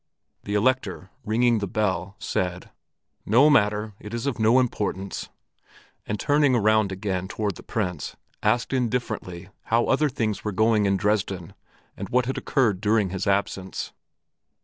The Elector, ringing the bell, said, "No matter; it is of no importance," and turning around again toward the Prince asked indifferently how other things were going in Dresden and what had occurred during his absence.